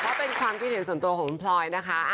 เมื่อเป็นความคิดเห็นส่วนตัวของพลอยนะคะ